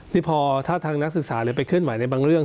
นี่พอถ้าทางนักศึกษาหรือไปเคลื่อนไหวในบางเรื่อง